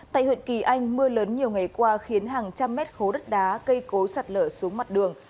tại huyện kỳ anh mưa lớn nhiều ngày qua khiến hàng trăm mét khố đất đá cây cối sạt lở xuống mặt đường